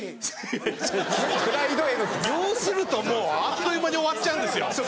要するとあっという間に終わっちゃうんですよ。